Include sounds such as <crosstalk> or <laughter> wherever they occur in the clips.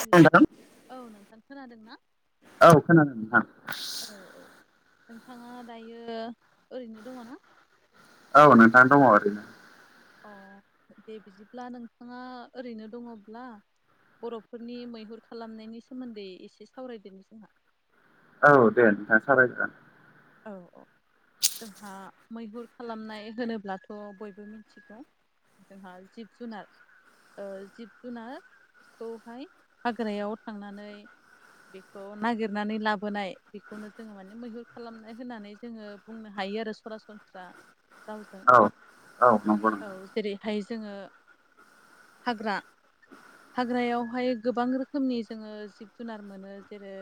Hello नोंथां औ नोंथां खोनादों ना औ औ <inaudible> नोंथाङा दायो ओरैनो दङ ना औ नोंथां दङ ओरैनो। अह दे बिदिब्ला नोंथाङा ओरैनो दङब्ला बर'फोरनि मैहुर खालामनायनि सोमोन्दै एसे सावरायदोनि जोंहा। औ दे नोंथाङा सावराय जागोन। औ औ। जोंहा मैहुर खालामनाय होनोब्लाथ' बयबो मिथिगौ। जोंहा जिब जुनार ओ जिब जुनारखौहाय हाग्रायाव थांनानै बेखौ नागिरनानै लाबोनाय बेखौनो जोङो माने मैहुर खालामनाय होननानै जोङो बुंनो हायो आरो सरासनस्रा। रावजों। औ औ नंगौ औ नोंथां जेरैहाय जोङो हाग्रा हाग्रायावहाय गोबां रोखोमनि जोङो जिब जुनार मोनो जेरै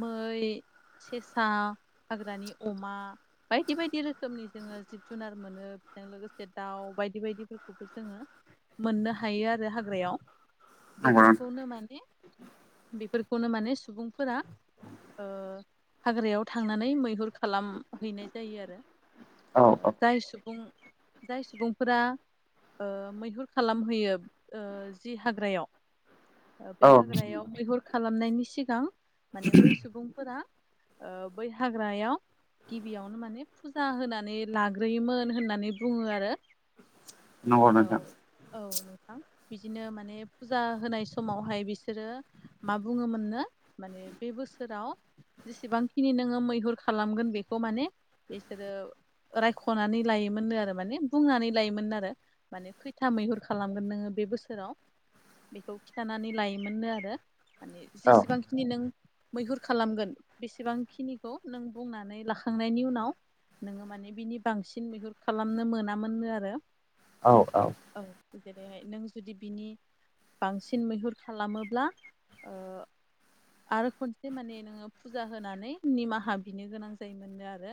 मै, सेसा, हाग्रानि अमा बायदि बायदि रोखोमनि जोङो जिब जुनार मोनो बेजों लोगोसे दाउ बायदि बायदिफोरखौबो जोङो मोननो हायो आरो हाग्रायाव। नंगौ नोंथां बेफोरखौनो माने बेफोरखौनो माने सुबुंफोरा ओ हाग्रायाव थांनानै मैहुर खालामहैनाय जायो आरो। औ ओ औ जाय सुबुं जाय सुबुंफोरा ओ मैहुर खालामहोयो ओ जि हाग्रायाव ओ बे औ हाग्रायाव मैहुर खालामनायनि सिगां माने बै सुबुंफोरा ओ बै हाग्रायाव गिबियावनो माने फुजा होनानै लाग्रोयोमोन होननानै बुङो आरो। नंगौ औ नोंथां औ नोंथां। बिदिनो माने फुजा होनाय समावहाय बिसोरो मा बुङोमोननो माने बे बोस सोराव जेसेबांखिनि नोङो मैहुर खालामगोन बेखौ माने बिसोरो रायख'नानै लायोमोननो आरो माने बुंनानै लायोमोन आरो। माने खैथा मैहुर खालामगोन नोङो बे बोसोराव। बेखौ खिन्थानानै लायोमोननो आरो माने औ जेसेबांखिनि नों मैहुर खालामगोन बेसेबांखिनिखौ नों बुंनानै लाखांनायनि उनाव नोङो माने बिनि बांसिन मैहुर खालामनो मोनामोननो आरो। औ औ औ जेरैहाय नों जुदि बिनि बांसिन मैहुर खालामोब्ला ओ आरो खनसे ज माने नोङो फुजा होनानै निमाहा बिनो गोनां जायोमोननो आरो।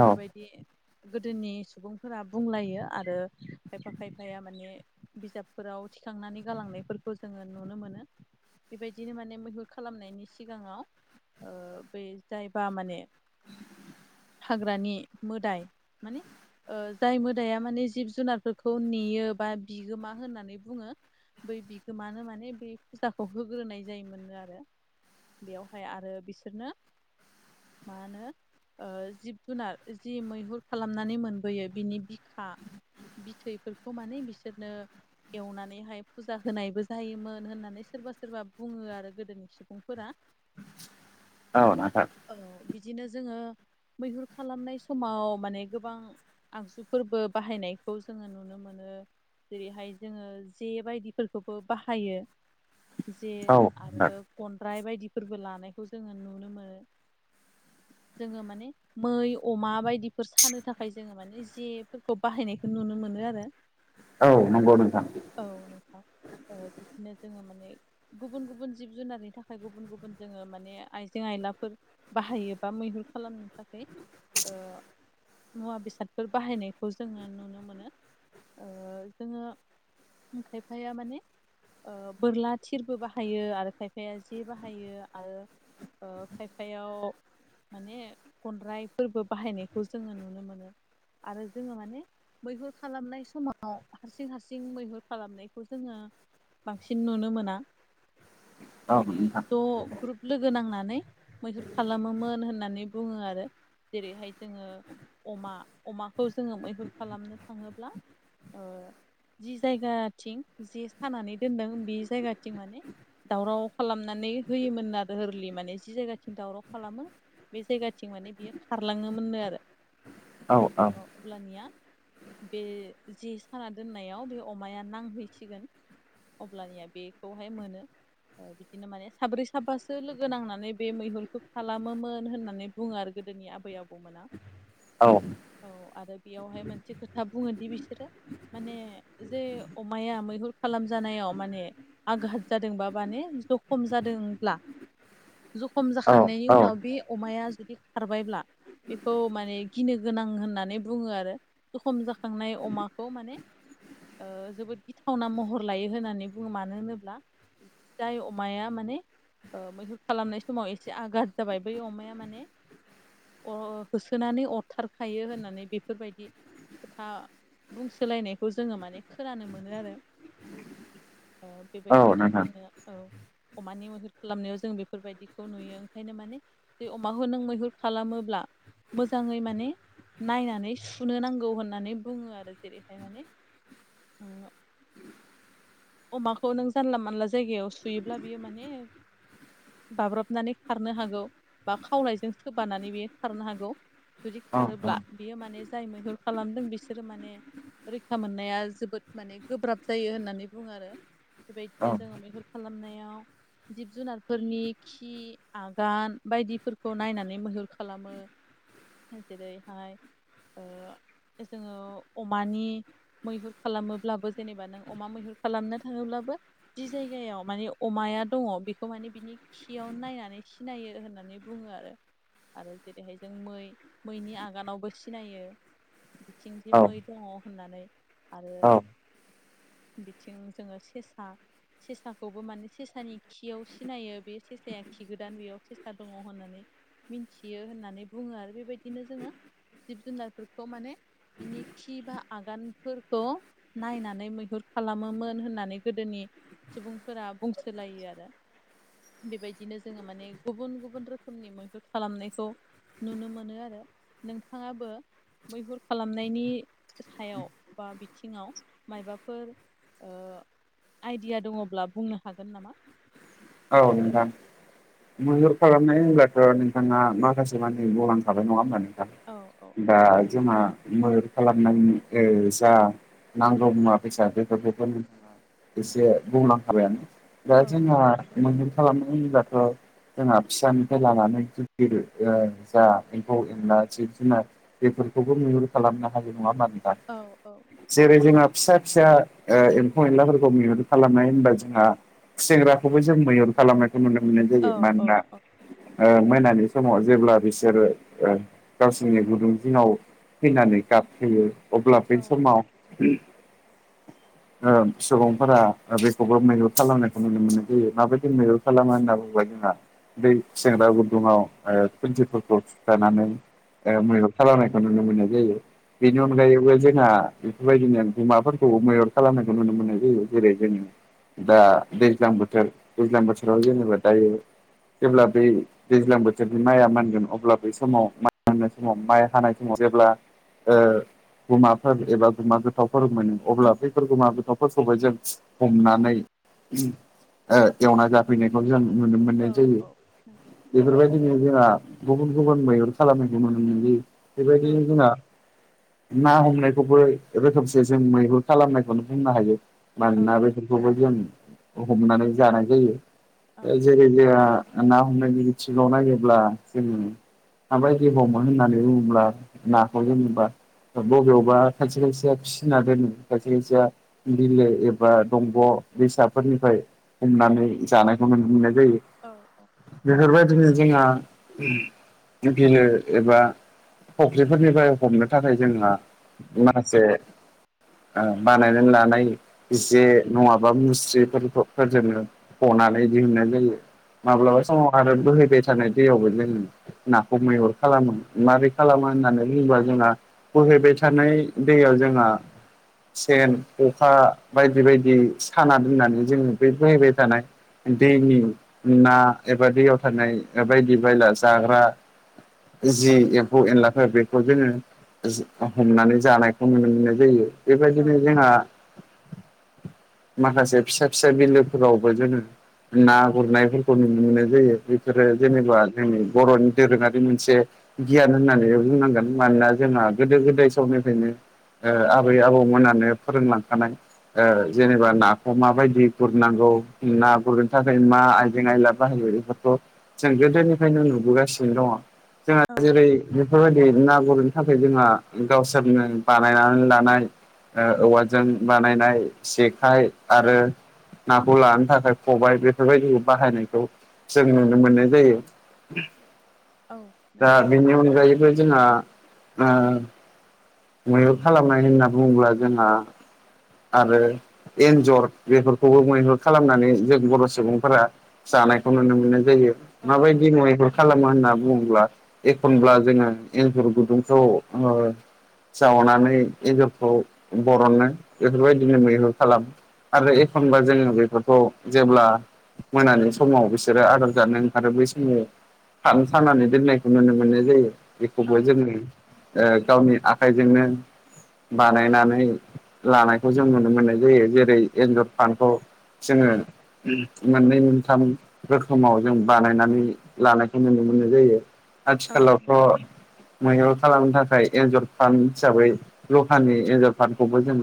औ गोदोनि सुबुंफोरा बुंलायो आरो खायफा खायफाया माने बिजाबफोराव थिखांनानै गालांनायफोरखौ जोङो नुनो मोनो। बेबायदिनो माने मैहुर खालामनायनि सि गाङाव बे जायबा माने हाग्रानि मोदाय माने ओ जाय मोदाया माने जिब जुनारफोरखौ नेयो बा बिगोमा होननानै बुङो बै बिगोमानो माने बे फुजाखौ होग्रोनाय जायोमोननो आरो। बेयावहाय आरो बिसोरनो मा होनो ओ जिब जुनार जि मैहुर खालामनानै मोनबोयो बिनि बिखा बिथैफोरखौ माने बिसोरनो एवनानैहाय फुजा होनायबो जायोमोन होननानै सोरबा सोरबा बुङो आरो गोदोनि सुबुंफोरा। औ नोंथां औ बिदिनो जोङो मैहुर खालामनाय समाव माने गोबां आगजुफोरबो बाहायनायखौ जोङो नुनो मोनो। जेरैहाय जोङो जे बायदिफोरखौबो बाहायो। जे औ आरो नोंथां खनद्राय बायदिफोरबो लानायखौ जोङो नुनो मोनो। जोङो माने मै अमा बायदिफोर सानो थाखाय जोङो माने जेफोरखौ बाहायनायखौ नुनो मोनो आरो। औ नंगौ नोंथां। औ नोंथां ओ बिदिनो जोङो माने गुबुन गुबुन जिब जुनारनि थाखाय गुबुन गुबुन गुबुन जोङो माने आइजें आयलाफोर बाहायोबा मैहुर खालामनो थाखाय ओ मुवा बेसादफोर बाहायनायखौ जोङो नुनो मोनो ओ जोङो खायफाया माने ओ बोरला थिरबो बाहायो आरो खायफाया जे बाह बाहायो आरो ओ खायफायाव माने गनद्राय फोरबो बाहायनायखौ जोङो नुनो मोनो आरो जोङो माने मैहुर खालामनाय समाव हारसिं हारसिं मैहुर खालामनायखौ जोङो बांसिन नुनो मोना। औ माने नोंथां। <unintelligible> लोगो नांनानै मैहुर खालामोमोन होननानै बुङो आरो जेरैहाय जोङो अमा अमाखौ जोङो मैहुर खालामनो थाङोब्ला ओ जि जायगाथिं जि सानानै दोनदों बे जायगाथिं माने दावराव खालामनानै होयोमोन आरो होरलि माने जि जायगाथिं दावराव खालामो बे जायगाथिं माने बियो खारलाङोमोननो आरो। औ औ अ अब्लानिया बे जे साना दोननायाव बे अमाया नांहैसिगोन। अब्लानिया बेखौहाय मोनो बिदिनो माने साब्रै साबासो लोगो नांनानै बे मैहुरखौ खालामोमोन होननानै बुङो आरो गोदोनि आबै आबौमोना। <inaudible> औ औ आरो बेयावहाय मोनसे खोथा बुङोदि बिसोरो माने जे अमाया मैहुर खालामजानायाव माने आघात जादोंबा माने जखम जादोंब्ला जखम जाखांनायनि उनाव बे अमाया जुदि खारबायब्ला बेखौ माने गिनो गोनां होननानै बुङो आरो। जखम जाखांनाय अमाखौ माने ओ जोबोद गिथावना महर लायो होननानै बुङो मानो होनोब्ला जाय अमाया म माने ओ मैहुर खालामनाय समाव एसे आघात जाबाय बै अमाया माने होसोनानै अरथारखायो होननानै बेफोरबायदि खोथा बुंसोलायनायखौ जोङो माने खोनानो मोनो आरो। ओ बेबायदिनो जोङो औ अमानि मैहुर खालामनायाव जों बेफोरबायदिखौ नुयो ओंखायनो माने जे अमाखौ नों मैहुर खालामोब्ला मोजाङै माने नायनानै सुनो नांगौ होननानै बुङो आरो जेरैहाय माने ओ अमाखौ नों जानला मानला जायगायाव सुयोब्ला बियो माने बाब्राबनानै खारनो हागौ बा खावलायजों सोबानानै बेयो खारनो हागौ। जुदि खारोब्ला बियो माने जाय मैहुर खालामदों बिसोरो माने रैखा मोननाया जोबोद माने गोब्राब जायो होननानै बुङो आरो। बेफोरबायदिनो जोङो मैहुर खालामनायाव जिब जुनारफोरनि खि आगान बायदिफोरखौ नायनानै मैहुर खालामो। जेरैहाय ओ जोङो अमानि मैहुर खालामोब्लाबो जेनेबा नों अमा मैहुर खालामनो थाङोब्लाबो जि जायगायाव माने अमाया दङ बेखौ माने बिनि खियाव नायनानै सिनायो होननानै बुङो आरो। आरो जेरैहाय जों मै मैनि आगानावबो सिनायो। बिथिंदि औ मै दङ होननानै आरो औ बिथिं जोङो सेसा सेसाखौबो माने सेसानि खियाव सिनायो बे सेसाया खि गोदान बेयाव सेसा दङ होननानै। मिनथियो होननानै बुङो आरो बेबायदिनो जोङो जिब-जुनारफोरखौ माने बिनि खि बा आगानफोरखौ नायनानै मैहुर खालामोमोन होननानै गोदोनि सुबुंफोरा बुंसो- लायो आरो। बेबायदिनो जोङो माने गुबुन गुबुन रोखोमनि मैहुर खालामनायखौ नुनो मोनो आरो। नोंथाङाबो मैहुर खालामनायनि सायाव बा बिथिङाव मायाबाफोर ओ आइडिया दङब्ला बुंनो हागोन नामा? औ नोंथां। मैहुर खालामनाय होनब्लाथ' नों- थांङा माखासे मानि बुंलांखाबाय नङा होमबा नोंथां। औ औ दा जोंहा मैहुर खालामनायनि ओ जा नांगौ मुवा-बेसाद बेफोरखोथ' नोंथाङा एसे बुंलांखाबायानो। दा औ जोंहा मैहुर खालामनाय होनोब्लाथ' जोंहा फिसानिफ्राय लानानै जा गिदिर ओ जा एम्फौ-एनला जिब-जुनार बेफोरखौबो मैहुर खालामनो हायो। नङा होनबा नोंथां? औ औ जेरै जोंहा फिसा फिसा ओ एम्फौ एनलाफोरखौ मैहुर खालामनाय होनबा जोंहा खुसेंग्राखौबो जों मैहुर खालामनायखौ नुनो मोननाय जायो। औ मानोना औ ओ मोनानि समाव जेब्ला बिसोरो ओ गावसोरनि गुदुं जिङाव फैनानै गाबफैयो अब्ला बे समाव ओ सुबुंफोरा बेखौबो मैहुर खालामनायखौ नुनो मोनो। बे माबायदि मैहुर खालाम होनना <unintelligible> बै खुसेंग्रा गुदुङाव ओ खुन्थिफोरखौ थुथानानै ओ मैहुर खालामनायखौ नुनो मोननाय जायो। बेनि औ अनगायैबो जोंहा बेफोरबायदिनो गुमाफोरखौबो मैहुर खालामनायखौ नुनो मोननाय जायो। जेरै जोङो दा दैज्लां बोथोर दैज्लां बोथोराव जेनेबा दायो जेब्ला बै दैज्लां बोथोरनि माइआ मोनगोन अब्ला बै समाव माइ मोननाय समाव माइ हानाय समाव जेब्ला ओ गुमाफोर एबा गुमा गोथौवफोर मोनो अब्ला बैफोर गुमा गोथौवफोरखौहाय जों हमनानै ओ एवना जाफैनायखौ जों नुनो औ मोननाय जायो। औ नंगौ बेफोरबायदिनो जोंहा गुबुन गुबुन मैहुर खालामनायखौ नुनो मोननाय जायो। औ बेबायदिनो जोंना ना हमनायखौबो रोखोमसे जों मैहुर खालामनायखौनो बुंनो हायो। औ मानोना औ बेफोरखौबो जों हमनानै जानाय जायो। जेरै जोंहा ना हमनायनि बिथिङाव नायोब्ला जोङो माबायदि हमो होननानै बुङोब्ला नाखौ जेनोबा बबेयावबा खायसे खायसेया फिसिना दोनो खायसे खायसेया बिलो एबा दंग' दैसाफोरनिफ्राय हमनानै जानायखौ नुनो मोननाय जायो। औ औ औ बेफोरबायदिनो जोंहा बिलो एबा फुख्रिफोरनिफ्राय हमनो थाखाय जोंहा माखासे ओ बानायनानै लानाय जे नङाबा मुस्रिफोरखौ फोरजोंनो बनानै दिहुननाय जायो माब्लाबा उम समाव आरो बोहैबाय मोसानाय दैयावबो जोङो नाखौ मैहुर खालामो मारै खालामो औ होननानै बुंङोबा जोंहा बोहैबाय थानाय दैयाव जोंहा सेन खखा बायदि बायदि साना दोननानै जोङो बे बोहैबाय थानाय दैनि ना एबा दैयाव थानाय बायदि बायला जाग्रा जि एम्फौ एनलाफोर बेखौ जोङो हमनानै जानायखौ नुनो मोननाय जायो। बेबायदिनो औ जोंहा माखासे फिसा फि सा बिलोफोरावबो जोङो ना गुरनायफोरखौ नुनो मोननाय जायो। फोरो औ जेनेबा जोंनि बर'नि दोरोङारि मोनसे गियान होननानै बुंनांगोन मानोना जोंहा गोदो गोदाय समनिफ्रायनो ओ आबै आबौमोनानो फोरोंलांखानाय ओ जेनेबा नाखौ माबायदि गुरनांगौ ना गुरनो थाखाय मा आयजें आयला बाहायो बेफोरखौ' जों गोदोनिफ्रायनो नुबोगासिनो दङ जोंहा औ जेरै बेफोरबायदि ना गुरनो थाखाय जोंहा गावसोरनो बानायनानै लानाय ओ औवाजों बानायनाय जेखाइ आरो नाखौ लानो थाखाय खबाय बेफोरबायदिखौ बाहायनायखौ जों नुनो मोननाय जायो। औ दा नंगौ बेनि अनगायैबो जोंहा ओ मैहुर खालामनाय होनना बुङोब्ला जोंहा आरो एन्जर बेफोरखौबो मैहुर खालामनानै जों बर' सुबुंफोरा जानायखौ नुनो मोननाय जायो औ औ माबायदि मैहुर खालामो होनना बुङोब्ला एखनब्ला जोङो एन्जर गुदुंखौ ओ जावनानै एनजरखौ बरननो बेफोरबायदिनो मैहुर खालामो। आरो एखनबा जोङो बेफोरखौ जेब्ला मोनानि समाव बिसोरो आदार जानो ओंखारो बै समाव फान सानानै दोननायखौ नुनो मोननाय जायो बेखौबो जोङो ओ गावनि आखाइजोंनो बानायनानै लानायखौ जों नुनो मोननाय जायो जेरै एन्जर फान्खौ जोङो मोननै मोनथाम रोखोमाव जों बानायनानै लानायखौ नुनो मोननाय जायो। औ आथिखालावथ' मैहुर खालामनो थाखाय एन्जर फान हिसाबै लहानि एनजर फानखौबो जों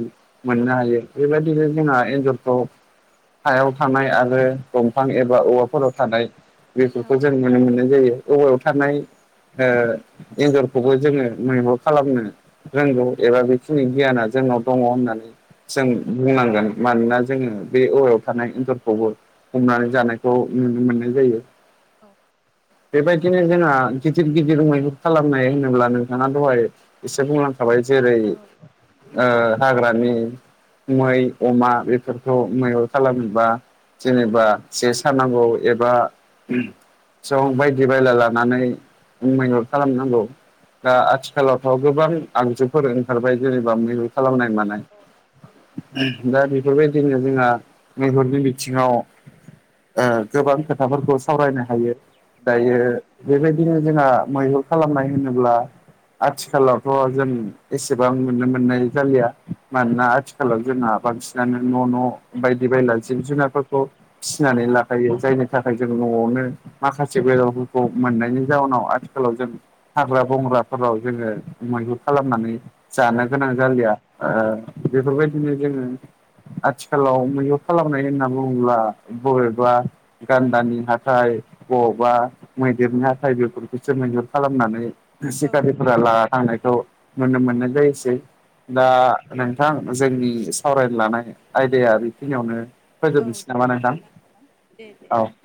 मोननो हायो बेबायदिनो जोंना एन्जरखौ हायाव थानाय आरो दंफां एबा औवाफोराव थानाय औ बेफोरखौ जों नुनो मोननाय जायो औवायाव थानाय ओ एन्जरखौबो जोङो मैहुर खालामनो रोंगौ एबा बेखिनि गियाना जोंनाव दङ होननानै जों औ बुंनांगोन मानोना जोङो बे औवायाव थानाय एन्जरखौबो हमनानै जानायखौ नुनो मोननाय जायो औ बेबाय दिनो जोंना गिदिर गिदिर मैहुर खालामनाय होनोब्ला नोंथाङा दहाय एसे बुंलां खाबाय जेरै औ ओ हाग्रानि मै अमा बेफोरखौ मैहुर खालामो बा जेनेबा जे सानांगौ एबा जं बायदि बायला लानानै मैहुर खालामनांगौ दा आथि खालावफ्राव गोबां आगजुफोर ओंखारबाय जेनेबा मैु खालामनाय मानाय। नंगौ दा बेफोरबायदिनो जोंहा मैहुरनि बिथिङाव ओ गोबां खोथाफोरखौ सावरायनो हायो। दायो बेबायदिनो जोंहा मैहुर खालामनाय होनोब्ला आथिखालावथ' जों एसेबां नुनो मोननाय जालिया मानोना आथि खालाव जोंहा बांसिनानो न' न' बायदि बायला जिब जुनार फिनानै लाखायो जाय थाखाय जों न'आवनो माखासे <unintelligible> मोननायनि जाउनाव आथिखालाव जों हाग्रा बंग्राफोराव जोङो मैहुर खालामनानै जानो गोनां जालिया। ओ बेफोरबायदिनो जोङो आथिखालाव मैहुर खालामनाय होनना बुङोब्ला बबेबा गान्दानि हाथाय बबावबा मैदेरनि हाथाइ बेफोरखौसो मैहुर खालामनानै सिखारि थांनायखौ नुनो मोननाय जायोसै दा नों औ नोंथां जोंनि सावरायनो लानाय आयदाया बेखिनियावनो औ फोजोबनोसै दे नामा नोंथां बिदिब्ला दे दे औ।